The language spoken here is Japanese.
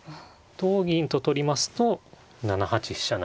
同銀と取りますと７八飛車成。